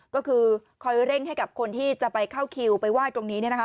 ก็คือคอยเร่งให้กับคนที่จะไปเข้าคิวไปไหว้ตรงนี้เนี่ยนะคะ